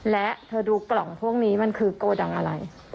และเธอดูกล่องพวกนี้มันคือโกดังอะไร